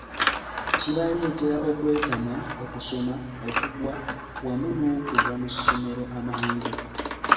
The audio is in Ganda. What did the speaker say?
Kibaleetera okwetamwa okusoma, okugwa, wamu n’okuva mu ssomero amangu.